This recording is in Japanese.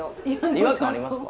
違和感ありますか？